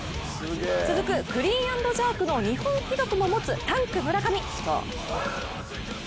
続くクリーン＆ジャークの日本記録も持つタンク村上。